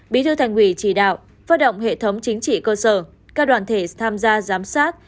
bí thư thành ủy chỉ đạo phát động hệ thống chính trị cơ sở các đoàn thể tham gia giám sát